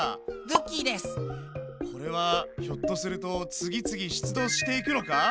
これはひょっとすると次々出土していくのか？